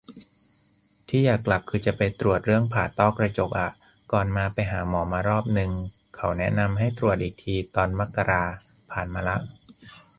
ที่อยากกลับคือจะไปตรวจเรื่องผ่าต้อกระจกอะ ก่อนมาไปหาหมอมารอบนึง เขาแนะนำให้ตรวจอีกทีตอนมกรา ผ่านมาละ